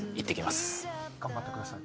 頑張ってください。